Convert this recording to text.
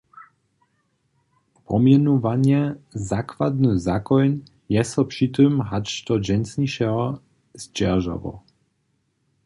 Pomjenowanje "zakładny zakoń" je so při tym hač do dźensnišeho zdźeržało.